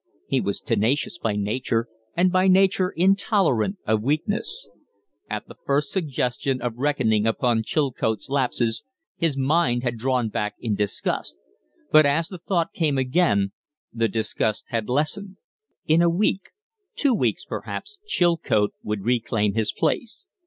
He was tenacious by nature, and by nature intolerant of weakness. At the first suggestion of reckoning upon Chilcote's lapses, his mind had drawn back in disgust; but as the thought came again the disgust had lessened. In a week two weeks, perhaps Chilcote would reclaim his place.